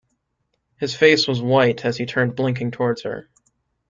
His face was white as he turned blinking towards her.